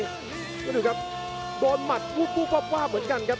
ดูดูครับโดนหมัดกุ๊บกุ๊บหว่าเป็นกันครับ